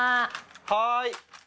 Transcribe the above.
はい！